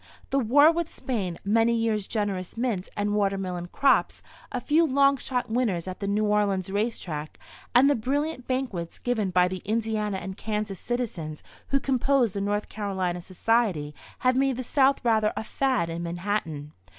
The war with Spain, many years' generous mint and watermelon crops, a few long shot winners at the New Orleans race track, and the brilliant banquets given by the Indiana and Kansas citizens who compose the North Carolina Society have made the South rather a "fad" in Manhattan.